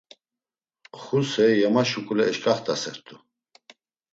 Xuse yema şuǩule eşǩaxt̆asert̆u.